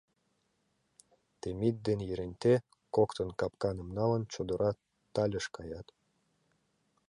Темит ден Еренте коктын, капканым налын, чодыра тальыш каят.